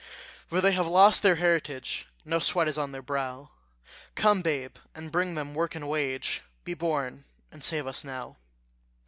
For they have lost their heritage No sweat is on their brow: Come, babe, and bring them work and wage; Be born, and save us now.